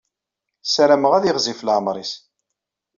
Ssarameɣ ad yiɣzif leɛmeṛ-is.